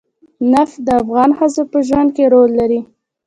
نفت د افغان ښځو په ژوند کې رول لري.